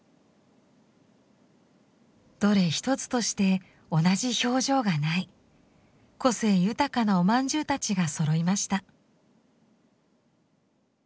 どれ一つとして同じ表情がない個性豊かなおまんじゅうたちがそろいました。